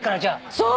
そう！